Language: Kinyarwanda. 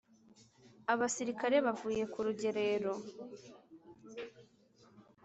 abasirikare bavuye ku rugerero